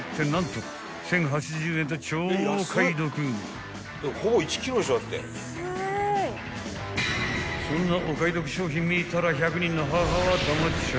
［そんなお買い得商品見たら１００人の母は黙っちゃいられねえ］